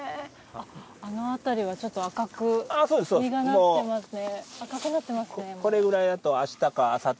あの辺りはちょっと赤く実がなっていますね。